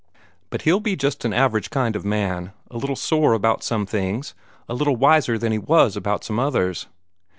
But he'll be just an average kind of man a little sore about some things, a little wiser than he was about some others.